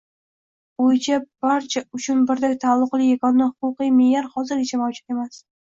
bo‘yicha barcha uchun birdek taalluqli yagona huquqiy me’yor hozirgacha mavjud emas.